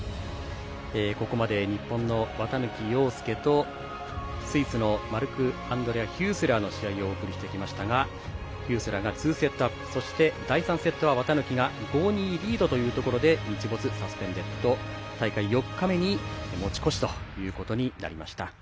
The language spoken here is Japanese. ここまで日本の綿貫陽介とスイスのマルクアンドレア・ヒュースラーの試合をお送りしてきましたがヒュースラーが２セットアップ第３セットは綿貫が５−２リードというところで日没サスペンデッド大会４日目に持ち越しということになりました。